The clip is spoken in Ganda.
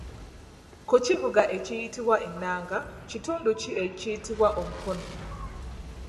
Ku kivuga ekiyitibwa ennanga, kitundu ki ekiyitibwa omukono?